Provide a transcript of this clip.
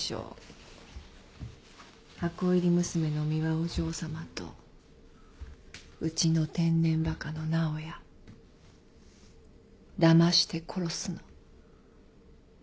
箱入り娘の美羽お嬢さまとウチの天然バカの直哉だまして殺すの。